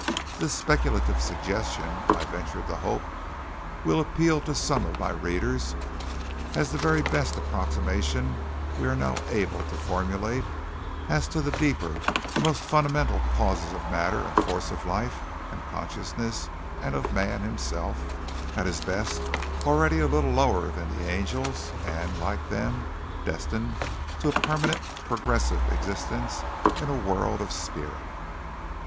"This speculative suggestion, I venture to hope, will appeal to some of my readers as the very best approximation we are now able to formulate as to the deeper, the most fundamental causes of matter and force of life and consciousness, and of man himself, at his best, already a little lower than the angels, and, like them, destined to a permanent progressive existence in a world of spirit."